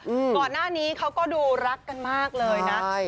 ก่อนหน้านี้เขาก็ดูรักกันมากเลยนะใช่